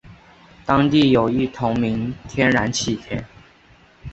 当地有一同名天然气田。